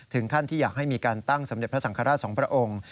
ถึงขั้นที่อยากให้มีการตั้งสมเด็จพระสังฆราชสองพระองค์